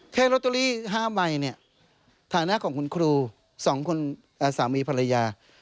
แค่ลอตเตอรี่๕ใบเนี่ยฐานะของคุณครู๒สามีภรรยา